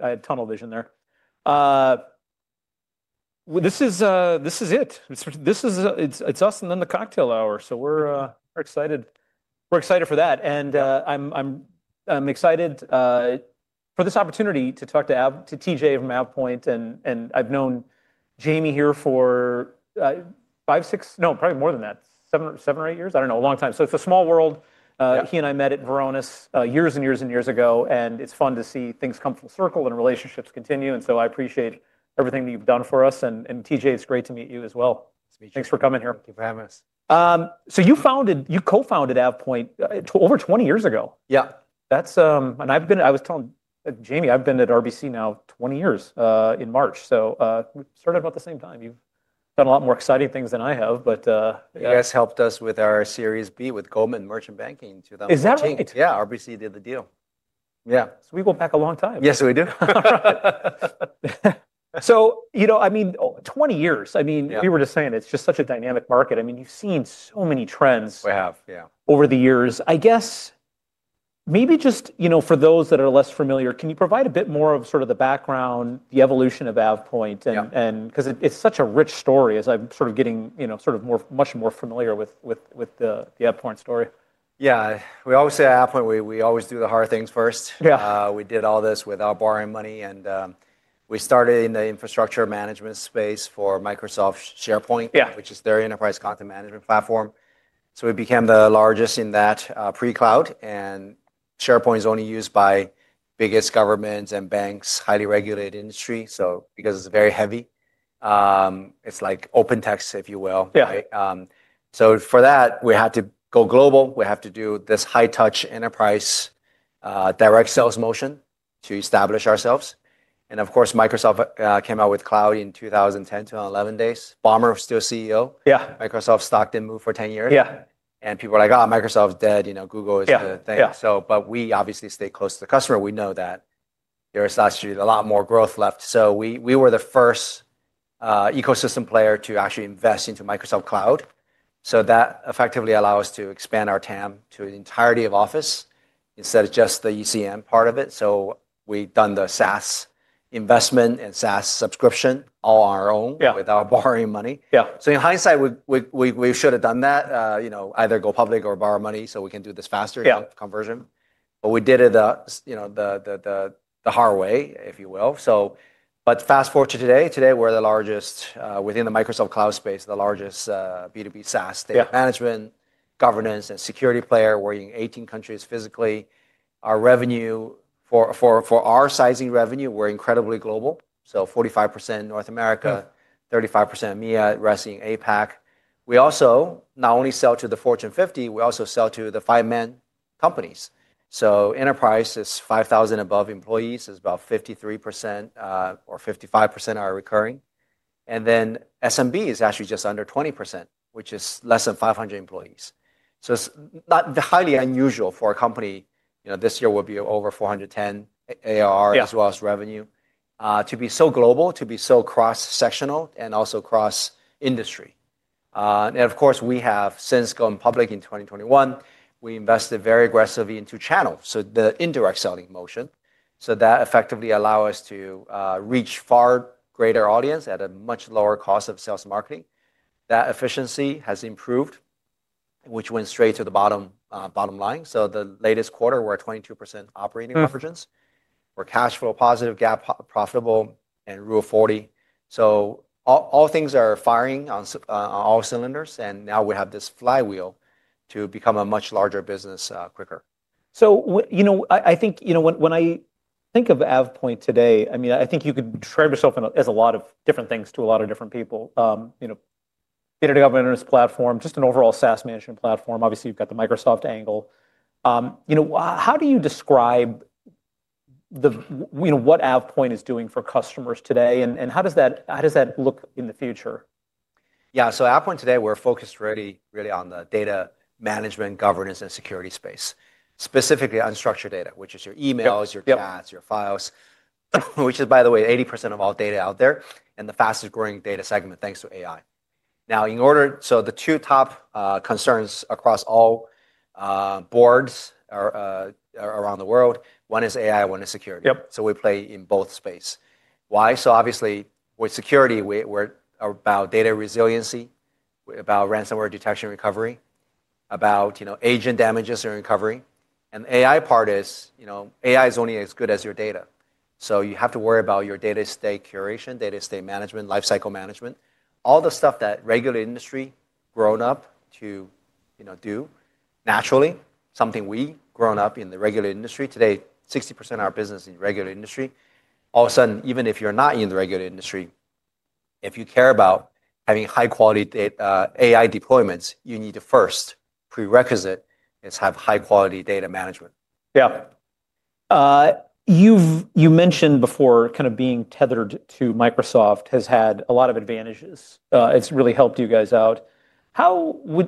I had tunnel vision there. This is it. This is us and then the cocktail hour. We're excited for that. I'm excited for this opportunity to talk to TJ from AvePoint. I've known Jamie here for five, six—no, probably more than that—seven or eight years. I don't know, a long time. It's a small world. He and I met at Varonis years and years and years ago. It's fun to see things come full circle and relationships continue. I appreciate everything that you've done for us. TJ, it's great to meet you as well. It's a pleasure. Thanks for coming here. Thank you very much. You co-founded AvePoint over 20 years ago. Yeah. I was telling Jamie, I've been at RBC now 20 years in March. We started about the same time. You've done a lot more exciting things than I have, but. You guys helped us with our Series B with Goldman and Merchant Banking in 2018. Is that right? Yeah, RBC did the deal. Yeah. So we go back a long time. Yes, we do. You know, I mean, 20 years. I mean, we were just saying it's just such a dynamic market. I mean, you've seen so many trends. We have, yeah. Over the years. I guess maybe just, you know, for those that are less familiar, can you provide a bit more of sort of the background, the evolution of AvePoint? Because it's such a rich story as I'm sort of getting sort of much more familiar with the AvePoint story. Yeah. We always say at AvePoint, we always do the hard things first. We did all this without borrowing money. We started in the infrastructure management space for Microsoft SharePoint, which is their enterprise content management platform. We became the largest in that pre-cloud. SharePoint is only used by the biggest governments and banks, highly regulated industry. Because it is very heavy, it is like OpenText, if you will. For that, we had to go global. We had to do this high-touch enterprise direct sales motion to establish ourselves. Of course, Microsoft came out with cloud in 2010, 2011 days. Ballmer is still CEO. Microsoft stock did not move for 10 years. People were like, "Oh, Microsoft's dead. Google is the thing." We obviously stay close to the customer. We know that there is actually a lot more growth left. We were the first ecosystem player to actually invest into Microsoft Cloud. That effectively allowed us to expand our TAM to the entirety of Office instead of just the ECM part of it. We have done the SaaS investment and SaaS subscription all on our own without borrowing money. In hindsight, we should have done that, either go public or borrow money so we could do this faster conversion. We did it the hard way, if you will. Fast forward to today. Today, we are the largest within the Microsoft Cloud space, the largest B2B SaaS data management, governance, and security player. We are in 18 countries physically. Our revenue, for our sizing revenue, we are incredibly global. 45% North America, 35% MEA, resting APAC. We also not only sell to the Fortune 50, we also sell to the five-man companies. Enterprise is 5,000 and above employees, is about 53% or 55% are recurring. SMB is actually just under 20%, which is less than 500 employees. It is not highly unusual for a company this year will be over $410 million ARR as well as revenue to be so global, to be so cross-sectional and also cross-industry. Of course, we have since gone public in 2021, we invested very aggressively into channel, so the indirect selling motion. That effectively allows us to reach far greater audience at a much lower cost of sales marketing. That efficiency has improved, which went straight to the bottom line. The latest quarter, we are at 22% operating margins. We are cash flow positive, GAAP profitable, and rule of 40. All things are firing on all cylinders. Now we have this flywheel to become a much larger business quicker. I think when I think of AvePoint today, I mean, I think you could describe yourself as a lot of different things to a lot of different people. Data governance platform, just an overall SaaS management platform. Obviously, you've got the Microsoft angle. How do you describe what AvePoint is doing for customers today? And how does that look in the future? Yeah. So AvePoint today, we're focused really on the data management, governance, and security space, specifically unstructured data, which is your emails, your chats, your files, which is, by the way, 80% of all data out there and the fastest growing data segment thanks to AI. Now, in order, so the two top concerns across all boards around the world, one is AI, one is security. We play in both space. Why? Obviously, with security, we're about data resiliency, about ransomware detection and recovery, about agent damages and recovery. The AI part is AI is only as good as your data. You have to worry about your data estate curation, data estate management, lifecycle management, all the stuff that regular industry grown up to do naturally, something we grown up in the regular industry. Today, 60% of our business is in the regular industry. All of a sudden, even if you're not in the regular industry, if you care about having high-quality AI deployments, you need to first prerequisite is have high-quality data management. Yeah. You mentioned before kind of being tethered to Microsoft has had a lot of advantages. It has really helped you guys out. We'll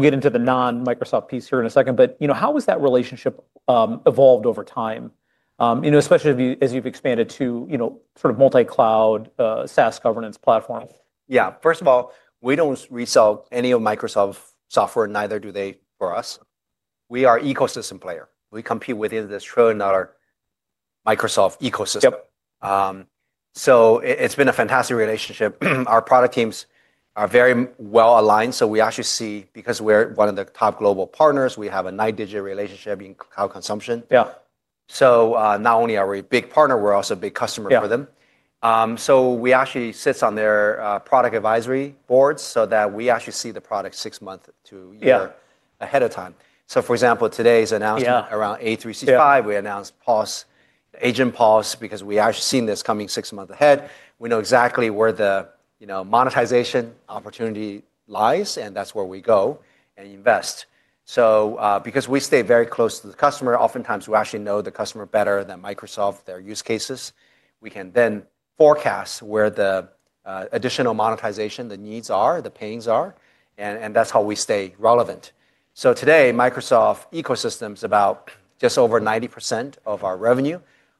get into the non-Microsoft piece here in a second. How has that relationship evolved over time, especially as you've expanded to sort of multi-cloud SaaS governance platform? Yeah. First of all, we do not resell any of Microsoft software, neither do they for us. We are an ecosystem player. We compete within this trillion-dollar Microsoft ecosystem. It has been a fantastic relationship. Our product teams are very well aligned. We actually see, because we are one of the top global partners, we have a nine-digit relationship in cloud consumption. Not only are we a big partner, we are also a big customer for them. We actually sit on their product advisory boards so that we actually see the product six months to a year ahead of time. For example, today's announcement around A365, we announced pause, agent pause, because we have actually seen this coming six months ahead. We know exactly where the monetization opportunity lies, and that is where we go and invest. Because we stay very close to the customer, oftentimes we actually know the customer better than Microsoft, their use cases. We can then forecast where the additional monetization, the needs are, the pains are. That is how we stay relevant. Today, Microsoft ecosystem is about just over 90% of our revenue.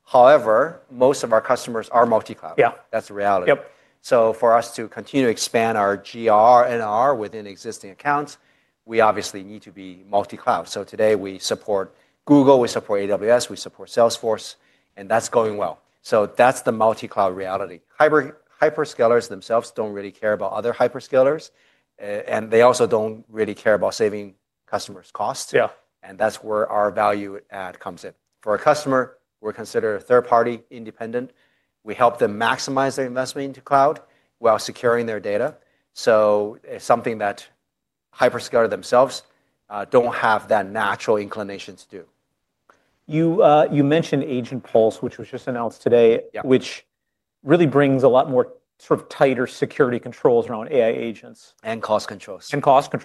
However, most of our customers are multi-cloud. That is the reality. For us to continue to expand our GR and R within existing accounts, we obviously need to be multi-cloud. Today, we support Google, we support AWS, we support Salesforce, and that is going well. That is the multi-cloud reality. Hyperscalers themselves do not really care about other hyperscalers. They also do not really care about saving customers' costs. That is where our value add comes in. For a customer, we are considered a third-party independent. We help them maximize their investment into cloud while securing their data. It's something that hyperscalers themselves don't have that natural inclination to do. You mentioned AgentPulse, which was just announced today, which really brings a lot more sort of tighter security controls around AI agents. Cost controls. Talk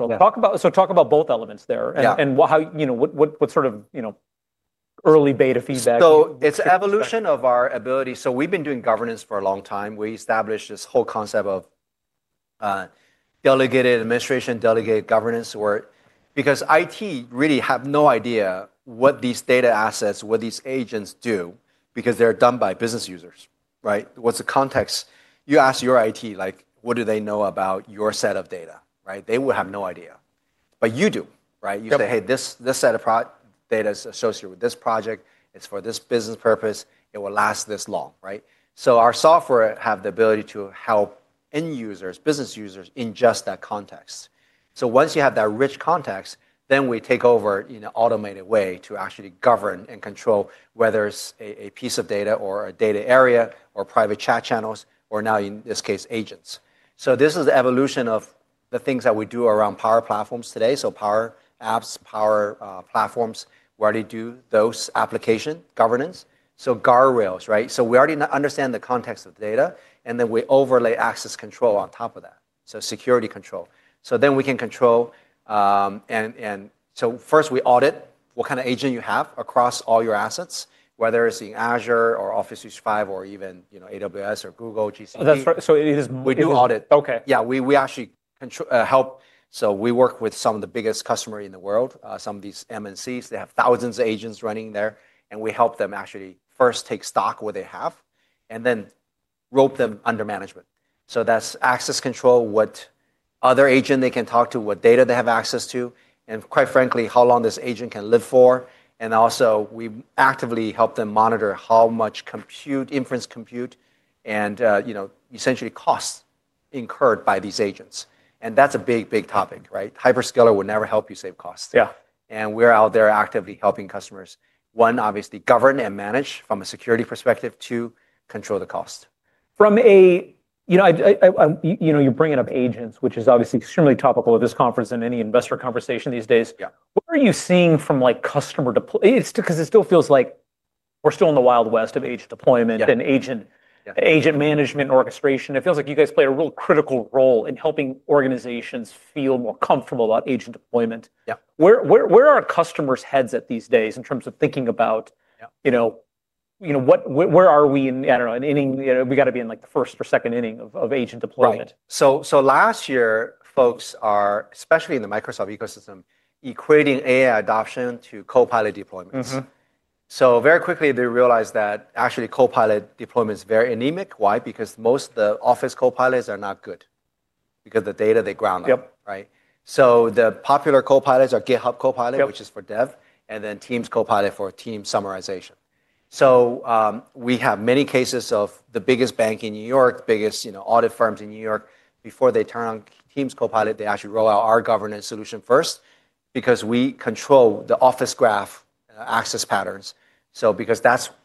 about both elements there and what sort of early beta feedback. It's evolution of our ability. We've been doing governance for a long time. We established this whole concept of delegated administration, delegated governance, because IT really have no idea what these data assets, what these agents do, because they're done by business users. What's the context? You ask your IT, what do they know about your set of data? They would have no idea. You do. You say, "Hey, this set of data is associated with this project. It's for this business purpose. It will last this long." Our software has the ability to help end users, business users in just that context. Once you have that rich context, then we take over in an automated way to actually govern and control whether it's a piece of data or a data area or private chat channels or now, in this case, agents. This is the evolution of the things that we do around Power Platform today. Power Apps, Power Platform, we already do those application governance, so guardrails. We already understand the context of the data, and then we overlay access control on top of that, so security control. We can control. First, we audit what kind of agent you have across all your assets, whether it's in Azure or Office 365 or even AWS or Google GCP. It is more. We do audit. Okay. Yeah. We actually help. We work with some of the biggest customers in the world, some of these MNCs. They have thousands of agents running there. We help them actually first take stock of what they have and then rope them under management. That is access control, what other agent they can talk to, what data they have access to, and quite frankly, how long this agent can live for. We actively help them monitor how much inference compute and essentially cost is incurred by these agents. That is a big, big topic. Hyperscaler will never help you save costs. We are out there actively helping customers, one, obviously govern and manage from a security perspective, two, control the cost. From a, you know, you're bringing up agents, which is obviously extremely topical at this conference and any investor conversation these days. What are you seeing from customer deployment? Because it still feels like we're still in the Wild West of agent deployment and agent management orchestration. It feels like you guys play a real critical role in helping organizations feel more comfortable about agent deployment. Where are customers' heads at these days in terms of thinking about where are we in, I don't know, we've got to be in the first or second inning of agent deployment. Right. Last year, folks are, especially in the Microsoft ecosystem, equating AI adoption to Copilot deployments. Very quickly, they realized that actually Copilot deployment is very anemic. Why? Most of the Office Copilots are not good because of the data they ground on. The popular Copilots are GitHub Copilot, which is for dev, and then Teams Copilot for team summarization. We have many cases of the biggest bank in New York, biggest audit firms in New York. Before they turn on Teams Copilot, they actually roll out our governance solution first because we control the Office Graph access patterns.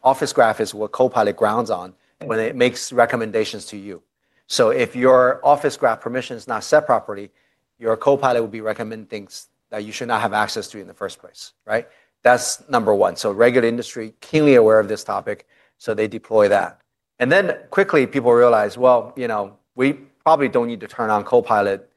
Office Graph is what Copilot grounds on when it makes recommendations to you. If your Office Graph permission is not set properly, your Copilot will be recommending things that you should not have access to in the first place. That's number one. Regular industry is keenly aware of this topic. They deploy that, and then quickly, people realize, we probably do not need to turn on Copilot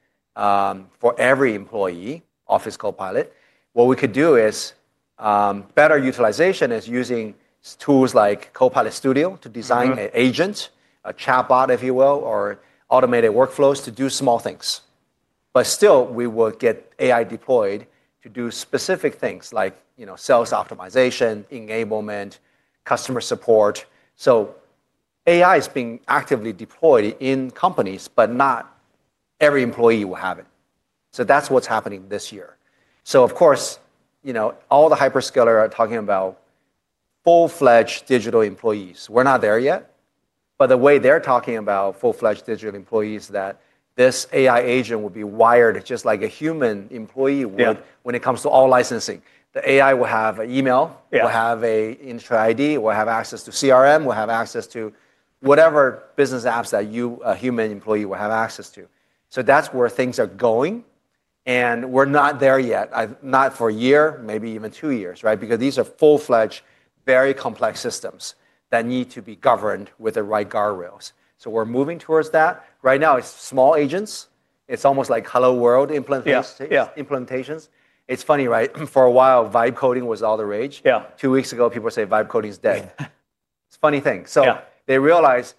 for every employee, Office Copilot. What we could do is better utilization, using tools like Copilot Studio to design an agent, a chatbot, if you will, or automated workflows to do small things. Still, we will get AI deployed to do specific things like sales optimization, enablement, customer support. AI is being actively deployed in companies, but not every employee will have it. That is what is happening this year. Of course, all the hyperscalers are talking about full-fledged digital employees. We are not there yet. The way they are talking about full-fledged digital employees is that this AI agent will be wired just like a human employee would when it comes to all licensing. The AI will have an email, will have an intra ID, will have access to CRM, will have access to whatever business apps that you, a human employee, will have access to. That is where things are going. We are not there yet, not for a year, maybe even two years, because these are full-fledged, very complex systems that need to be governed with the right guardrails. We are moving towards that. Right now, it is small agents. It is almost like Hello World implementations. It is funny, right? For a while, vibe coding was all the rage. Two weeks ago, people said vibe coding is dead. It is a funny thing. They realize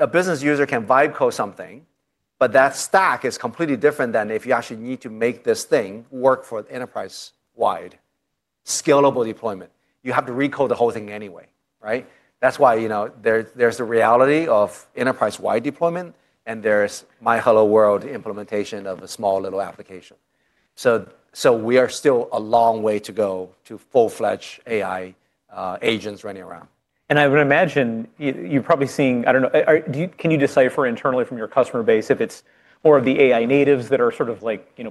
a business user can vibe code something, but that stack is completely different than if you actually need to make this thing work for enterprise-wide scalable deployment. You have to recode the whole thing anyway. That's why there's the reality of enterprise-wide deployment, and there's my Hello World implementation of a small little application. We are still a long way to go to full-fledged AI agents running around. I would imagine you're probably seeing, I don't know, can you decipher internally from your customer base if it's more of the AI natives that are sort of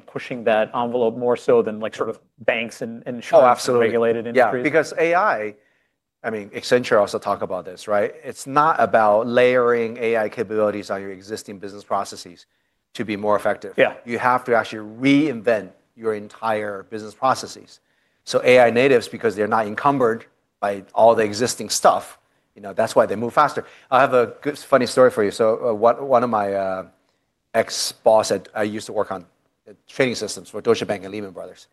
pushing that envelope more so than sort of banks and regulated industries? Oh, absolutely. Yeah, because AI, I mean, Accenture also talks about this. It's not about layering AI capabilities on your existing business processes to be more effective. You have to actually reinvent your entire business processes. AI natives, because they're not encumbered by all the existing stuff, that's why they move faster. I have a funny story for you. One of my ex-bosses, I used to work on trading systems for Deutsche Bank and Lehman Brothers.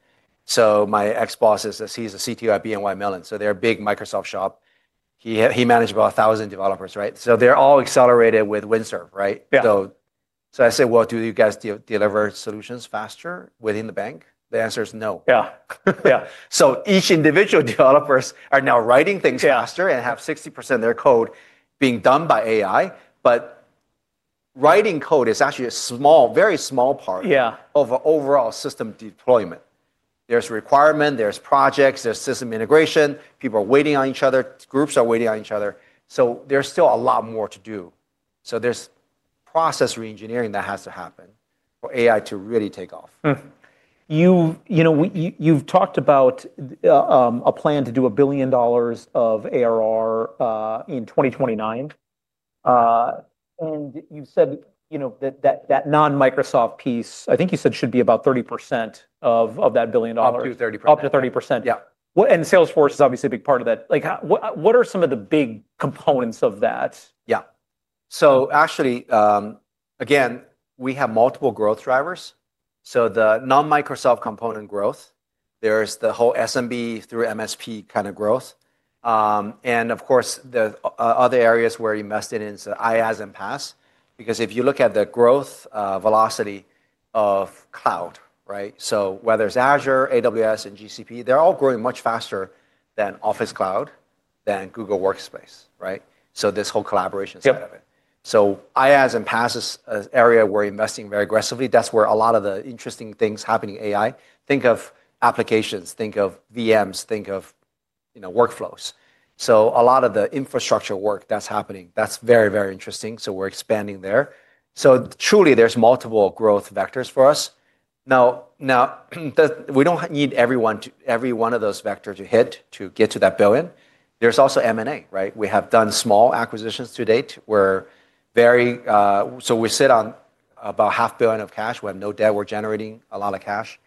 My ex-boss is a CTO at BNY Mellon. They're a big Microsoft shop. He managed about 1,000 developers. They're all accelerated with Windsurf. I said, do you guys deliver solutions faster within the bank? The answer is no. Yeah, yeah. Each individual developer is now writing things faster and has 60% of their code being done by AI. Writing code is actually a small, very small part of an overall system deployment. There is requirement, there is projects, there is system integration. People are waiting on each other. Groups are waiting on each other. There is still a lot more to do. There is process reengineering that has to happen for AI to really take off. You've talked about a plan to do a billion dollars of ARR in 2029. You've said that non-Microsoft piece, I think you said, should be about 30% of that billion dollars. Up to 30%. Up to 30%. Salesforce is obviously a big part of that. What are some of the big components of that? Yeah. Actually, again, we have multiple growth drivers. The non-Microsoft component growth, there's the whole SMB through MSP kind of growth. Of course, the other areas where you must invest in is IaaS and PaaS. If you look at the growth velocity of cloud, whether it's Azure, AWS, and GCP, they're all growing much faster than Office Cloud, than Google Workspace. This whole collaboration side of it. IaaS and PaaS is an area we're investing very aggressively. That's where a lot of the interesting things happen in AI. Think of applications, think of VMs, think of workflows. A lot of the infrastructure work that's happening, that's very, very interesting. We're expanding there. Truly, there's multiple growth vectors for us. We don't need every one of those vectors to hit to get to that billion. There's also M&A. We have done small acquisitions to date. We sit on about $500,000,000 of cash. We have no debt. We're generating a lot of cash.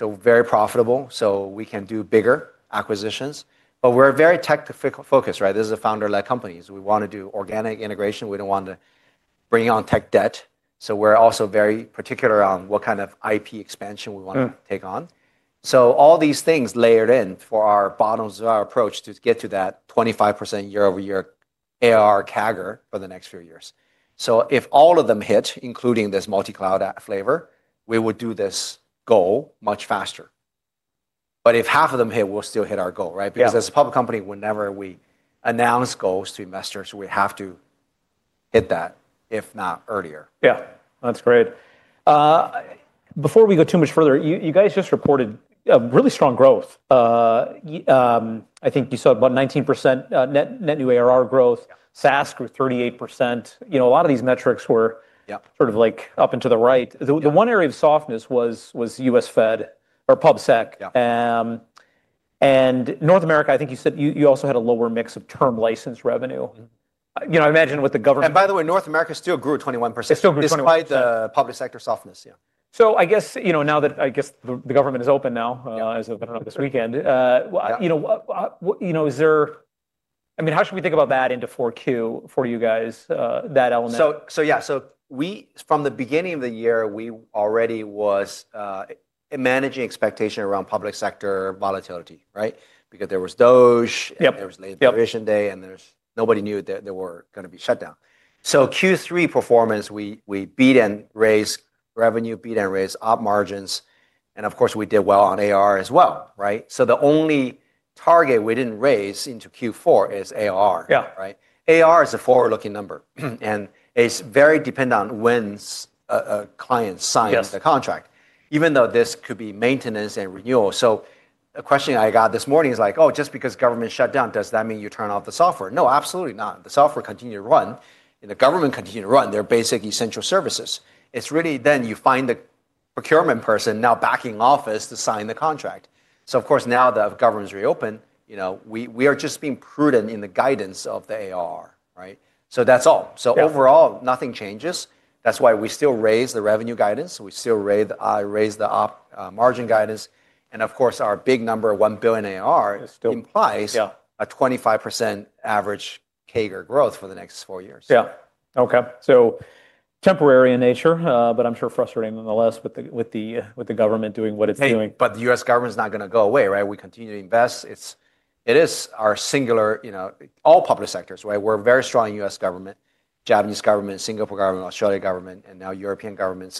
Very profitable. We can do bigger acquisitions. We're very tech-focused. This is a founder-led company. We want to do organic integration. We do not want to bring on tech debt. We're also very particular on what kind of IP expansion we want to take on. All these things layered in form our bottom-up approach to get to that 25% year-over-year ARR CAGR for the next few years. If all of them hit, including this multi-cloud flavor, we would do this goal much faster. If half of them hit, we'll still hit our goal. Because as a public company, whenever we announce goals to investors, we have to hit that, if not earlier. Yeah, that's great. Before we go too much further, you guys just reported really strong growth. I think you saw about 19% net new ARR growth. SaaS grew 38%. A lot of these metrics were sort of up and to the right. The one area of softness was U.S. Fed or PubSec. And North America, I think you said you also had a lower mix of term license revenue. I imagine with the government. By the way, North America still grew 21%. It still grew 21%. Despite the public sector softness. I guess now that, I guess, the government is open now, as of this weekend, is there, I mean, how should we think about that into 4Q for you guys, that element? Yeah, from the beginning of the year, we already were managing expectations around public sector volatility. Because there was DOGE, there was late provision day, and nobody knew that there were going to be shutdowns. Q3 performance, we beat and raised revenue, beat and raised op margins. Of course, we did well on ARR as well. The only target we did not raise into Q4 is ARR. ARR is a forward-looking number, and it is very dependent on when a client signs the contract, even though this could be maintenance and renewal. A question I got this morning is like, oh, just because government shutdown, does that mean you turn off the software? No, absolutely not. The software continues to run. The government continues to run their basic essential services. It is really then you find the procurement person now backing office to sign the contract. Of course, now that government's reopened, we are just being prudent in the guidance of the ARR. That's all. Overall, nothing changes. That's why we still raise the revenue guidance. We still raise the margin guidance. Of course, our big number, $1 billion ARR, implies a 25% average CAGR growth for the next four years. Yeah. Okay. Temporary in nature, but I'm sure frustrating nonetheless with the government doing what it's doing. The U.S. government's not going to go away. We continue to invest. It is our singular, all public sectors. We're very strong in U.S. government, Japanese government, Singapore government, Australia government, and now European government.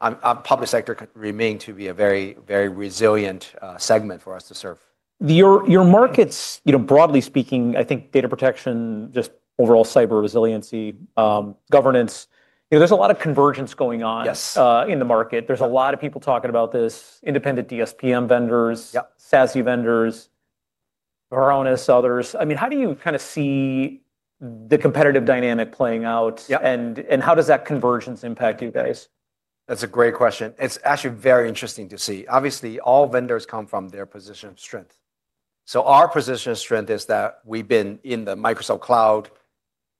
Public sector remains to be a very, very resilient segment for us to serve. Your markets, broadly speaking, I think data protection, just overall cyber resiliency, governance, there's a lot of convergence going on in the market. There's a lot of people talking about this, independent DSPM vendors, SASE vendors, Varonis, others. I mean, how do you kind of see the competitive dynamic playing out? And how does that convergence impact you guys? That's a great question. It's actually very interesting to see. Obviously, all vendors come from their position of strength. Our position of strength is that we've been in the Microsoft Cloud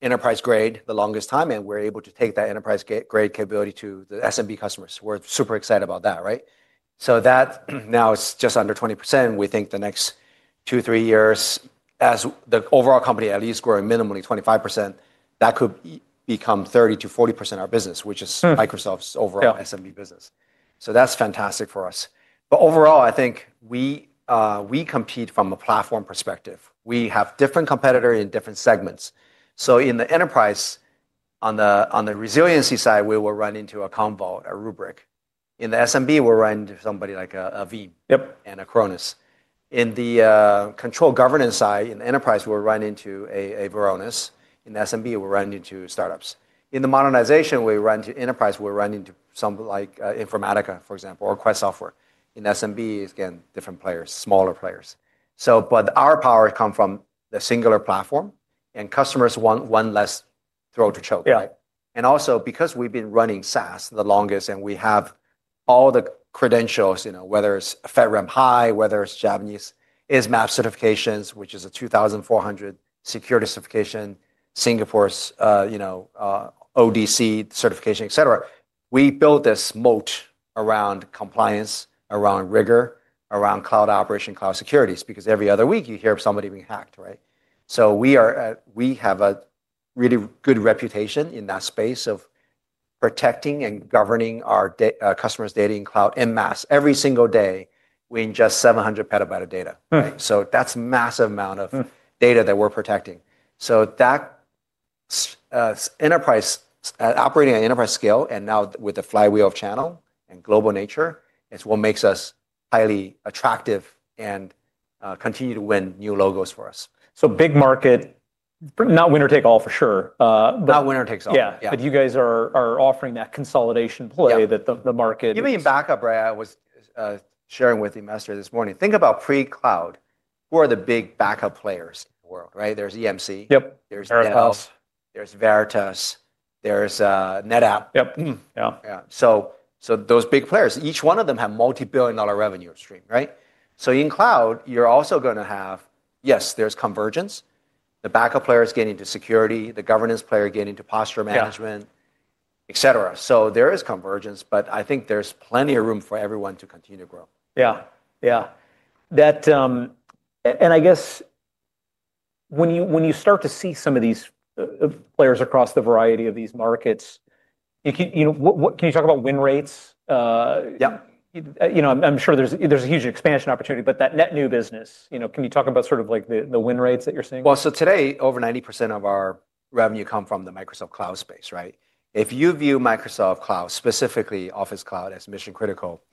enterprise grade the longest time, and we're able to take that enterprise grade capability to the SMB customers. We're super excited about that. That now is just under 20%. We think the next two, three years, as the overall company at least growing minimally 25%, that could become 30%-40% of our business, which is Microsoft's overall SMB business. That's fantastic for us. Overall, I think we compete from a platform perspective. We have different competitors in different segments. In the enterprise, on the resiliency side, we will run into a Commvault, a Rubrik. In the SMB, we'll run into somebody like a Veeam and an Acronis. In the control governance side, in the enterprise, we'll run into a Varonis. In the SMB, we'll run into startups. In the modernization, we run into enterprise, we'll run into something like Informatica, for example, or Quest Software. In SMB, again, different players, smaller players. Our power comes from the singular platform, and customers want one less throat to choke. Also, because we've been running SaaS the longest and we have all the credentials, whether it's FedRAMP High, whether it's Japanese ISMAP certifications, which is a 2,400 security certification, Singapore's ODC certification, et cetera, we built this moat around compliance, around rigor, around cloud operation, cloud security, because every other week you hear of somebody being hacked. We have a really good reputation in that space of protecting and governing our customers' data in cloud en masse, every single day within just 700 petabytes of data. That's a massive amount of data that we're protecting. Operating at enterprise scale and now with the flywheel of channel and global nature is what makes us highly attractive and continue to win new logos for us. Big market, not winner take all for sure. Not winner takes all. Yeah. You guys are offering that consolidation play that the market. Give me a backup, right? I was sharing with you yesterday this morning. Think about pre-cloud. Who are the big backup players in the world? There is EMC. Yep. There's Arcserve. There's Veritas. There's NetApp. Those big players, each one of them has a multi-billion dollar revenue stream. In cloud, you're also going to have, yes, there's convergence. The backup player is getting into security. The governance player is getting into posture management, et cetera. There is convergence, but I think there's plenty of room for everyone to continue to grow. Yeah. Yeah. I guess when you start to see some of these players across the variety of these markets, can you talk about win rates? Yeah. I'm sure there's a huge expansion opportunity, but that net new business, can you talk about sort of the win rates that you're seeing? Today, over 90% of our revenue comes from the Microsoft Cloud space. If you view Microsoft Cloud, specifically Office Cloud, as mission critical,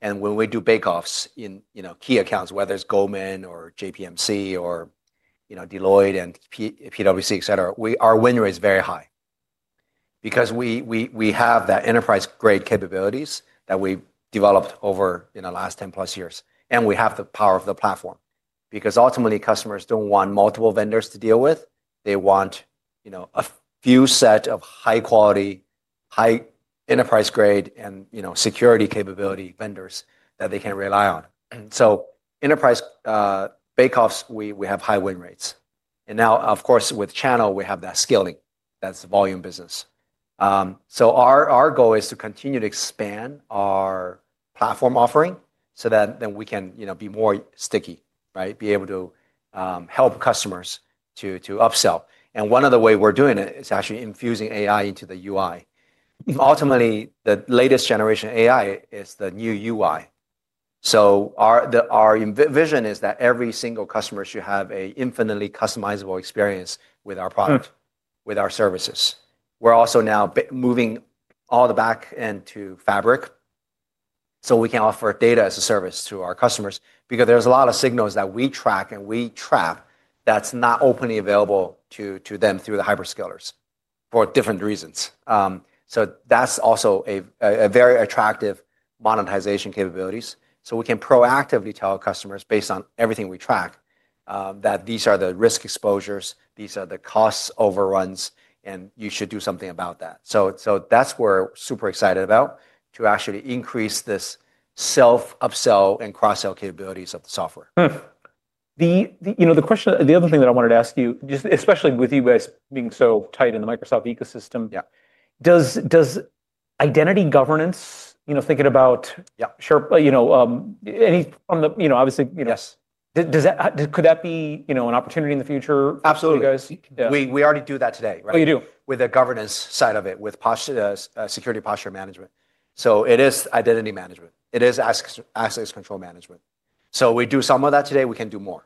and when we do bake-offs in key accounts, whether it's Goldman or JPMC or Deloitte and PwC, et cetera, our win rate is very high. Because we have that enterprise-grade capabilities that we developed over the last 10 plus years. We have the power of the platform. Ultimately, customers do not want multiple vendors to deal with. They want a few sets of high quality, high enterprise-grade and security capability vendors that they can rely on. In enterprise bake-offs, we have high win rates. Now, of course, with channel, we have that scaling. That is the volume business. Our goal is to continue to expand our platform offering so that we can be more sticky, be able to help customers to upsell. One of the ways we're doing it is actually infusing AI into the UI. Ultimately, the latest generation AI is the new UI. Our vision is that every single customer should have an infinitely customizable experience with our product, with our services. We're also now moving all the back end to Fabric so we can offer data as a service to our customers. There is a lot of signals that we track and we trap that's not openly available to them through the hyperscalers for different reasons. That is also a very attractive monetization capability. We can proactively tell our customers based on everything we track that these are the risk exposures, these are the cost overruns, and you should do something about that. That is what we're super excited about, to actually increase this self-upsell and cross-sell capabilities of the software. The other thing that I wanted to ask you, just especially with you guys being so tight in the Microsoft ecosystem, does identity governance, thinking about any obviously, could that be an opportunity in the future for you guys? Absolutely. We already do that today. Oh, you do? With the governance side of it, with security posture management. It is identity management. It is access control management. We do some of that today. We can do more.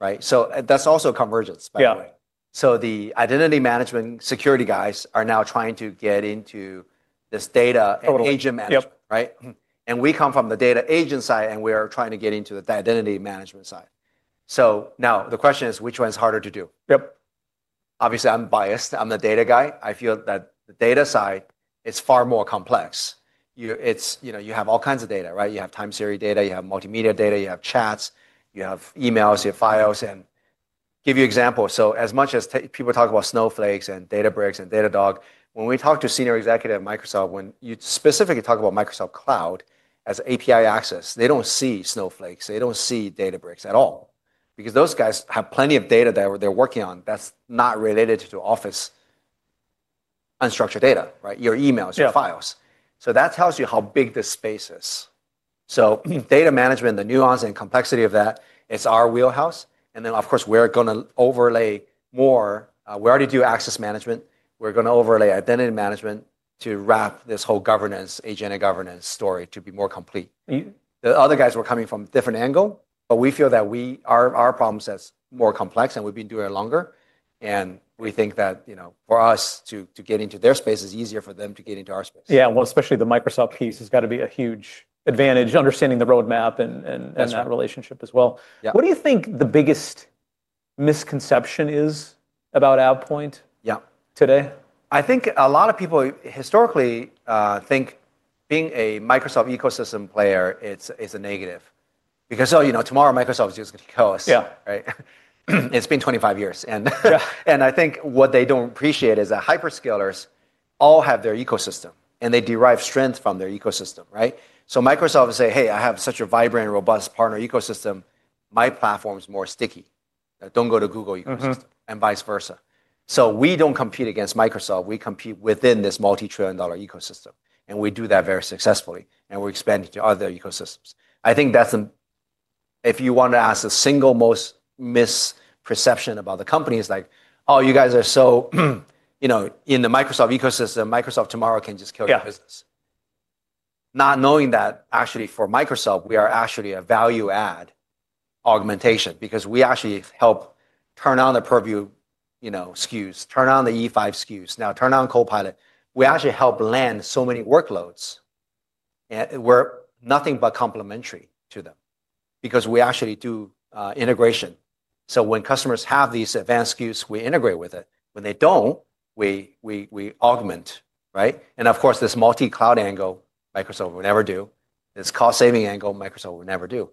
That is also convergence, by the way. The identity management security guys are now trying to get into this data agent management. We come from the data agent side, and we are trying to get into the identity management side. Now the question is, which one is harder to do? Yep. Obviously, I'm biased. I'm the data guy. I feel that the data side is far more complex. You have all kinds of data. You have time series data. You have multimedia data. You have chats. You have emails. You have files. To give you an example, as much as people talk about Snowflake and Databricks and Datadog, when we talk to senior executive at Microsoft, when you specifically talk about Microsoft Cloud as API access, they don't see Snowflake. They don't see Databricks at all. Because those guys have plenty of data that they're working on that's not related to Office unstructured data, your emails, your files. That tells you how big the space is. Data management, the nuance and complexity of that, it's our wheelhouse. Of course, we're going to overlay more. We already do access management. We're going to overlay identity management to wrap this whole governance, agentic governance story to be more complete. The other guys were coming from a different angle, but we feel that our problem set's more complex, and we've been doing it longer. We think that for us to get into their space is easier for them to get into our space. Yeah. Especially the Microsoft piece has got to be a huge advantage, understanding the roadmap and that relationship as well. What do you think the biggest misconception is about AvePoint today? I think a lot of people historically think being a Microsoft ecosystem player is a negative. Because tomorrow, Microsoft is just going to coast. It's been 25 years. I think what they don't appreciate is that hyperscalers all have their ecosystem, and they derive strength from their ecosystem. Microsoft will say, hey, I have such a vibrant, robust partner ecosystem. My platform's more sticky. Don't go to Google ecosystem and vice versa. We don't compete against Microsoft. We compete within this multi-trillion dollar ecosystem. We do that very successfully. We're expanding to other ecosystems. I think if you want to ask a single most missed perception about the company, it's like, oh, you guys are so in the Microsoft ecosystem, Microsoft tomorrow can just kill your business. Not knowing that actually for Microsoft, we are actually a value-add augmentation. Because we actually help turn on the Purview SKUs, turn on the E5 SKUs, now turn on Copilot. We actually help land so many workloads. We're nothing but complementary to them. Because we actually do integration. When customers have these advanced SKUs, we integrate with it. When they don't, we augment. Of course, this multi-cloud angle, Microsoft will never do. This cost-saving angle, Microsoft will never do.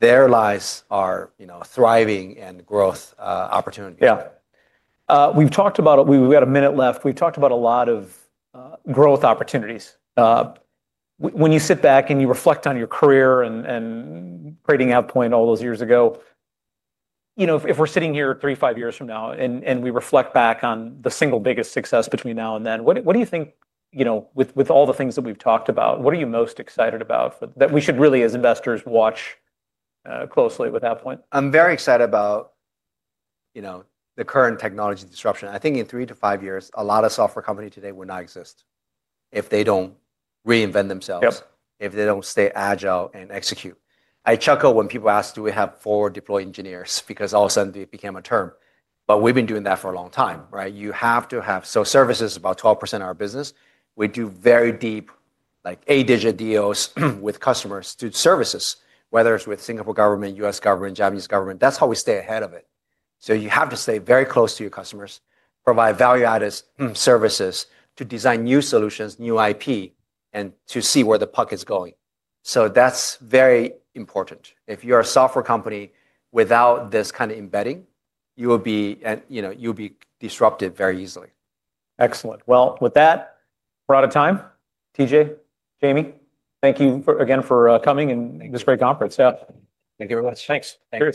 Their lives are thriving and growth opportunity. Yeah. We've talked about it. We've got a minute left. We've talked about a lot of growth opportunities. When you sit back and you reflect on your career and creating AvePoint all those years ago, if we're sitting here three, five years from now, and we reflect back on the single biggest success between now and then, what do you think with all the things that we've talked about, what are you most excited about that we should really, as investors, watch closely with AvePoint? I'm very excited about the current technology disruption. I think in three to five years, a lot of software companies today will not exist if they don't reinvent themselves, if they don't stay agile and execute. I chuckle when people ask, do we have four deploy engineers? Because all of a sudden, it became a term. But we've been doing that for a long time. You have to have services about 12% of our business. We do very deep eight-digit deals with customers to services, whether it's with Singapore government, U.S. government, Japanese government. That's how we stay ahead of it. You have to stay very close to your customers, provide value-added services to design new solutions, new IP, and to see where the puck is going. That's very important. If you're a software company without this kind of embedding, you will be disrupted very easily. Excellent. With that, we're out of time. TJ, Jamie, thank you again for coming and this great conference. Thank you very much. Thanks. Thanks.